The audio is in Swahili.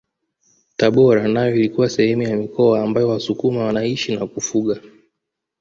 Tabora nayo ilikuwa sehemu ya mikoa ambayo wasukuma wanaishi na kufuga